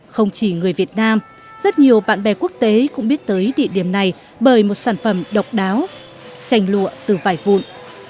không chỉ người việt nam rất nhiều bạn bè quốc tế cũng biết tới địa điểm này bởi một sản phẩm độc đáo tranh lụa từ vài vụn